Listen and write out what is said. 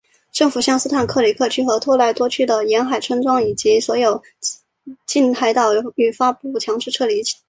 政府向斯坦克里克区和托莱多区的沿海村庄以及所有的近海岛屿发布强制撤离令。